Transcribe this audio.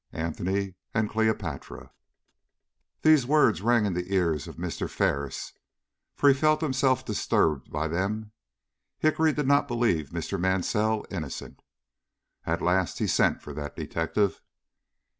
ANTONY AND CLEOPATRA. THESE words rang in the ears of Mr. Ferris. For he felt himself disturbed by them. Hickory did not believe Mr. Mansell innocent. At last he sent for that detective.